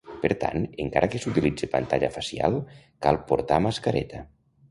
Per tant, encara que s'utilitzi pantalla facial, cal portar mascareta.